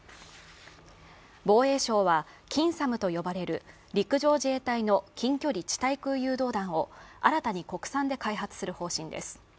防衛省は、近ＳＡＭと呼ばれる陸上自衛隊の近距離地対空誘導弾を新たに国産で開発する方針です。